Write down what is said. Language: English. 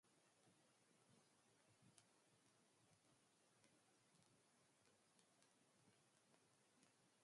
They find that the power source is a geslalt intelligence of numerous Xeraphin.